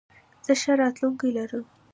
زه ښه راتلونکې لرم.